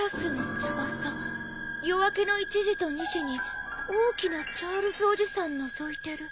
夜明けの１時と２時に大きなチャールズおじさん覗いてる。